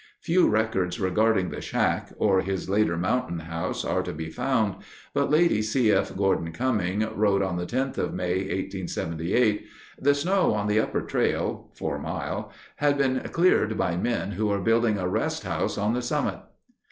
Few records regarding the "shack" or his later Mountain House are to be found, but Lady C. F. Gordon Cumming wrote on the tenth of May, 1878: "The snow on the upper trail [Four Mile] had been cleared by men who are building a rest house on the summit."